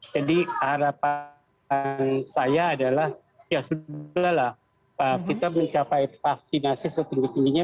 harapan saya adalah ya sudah lah kita mencapai vaksinasi setinggi tingginya